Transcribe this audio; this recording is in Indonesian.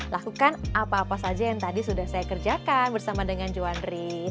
lakukan apa apa saja yang tadi sudah saya kerjakan bersama dengan johan ri